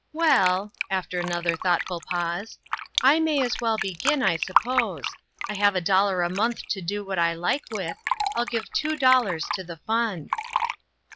Well," after another thoughtful pause, " I may as well begin, I suppose. I have a dollar a month to do what I like with. I'll give two dollars to the fund."